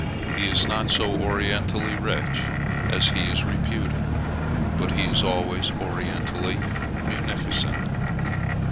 He is not always so orientally rich as he is reputed; but he is always orientally munificent.